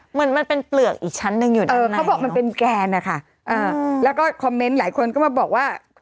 เหมือนมันเป็นเปลือกอีกชั้นหนึ่งอยู่นะเขาบอกมันเป็นแกนนะคะแล้วก็คอมเมนต์หลายคนก็มาบอกว่า